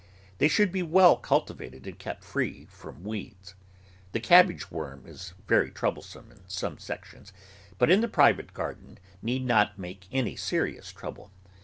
They should be well cultivated and kept free from weeds. The cabbage worm is very trouble some in some sections, but in the private garden need not make any serious trouble.